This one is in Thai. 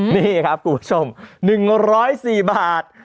นี่ครับคุณผู้ชม๑๐๔บาท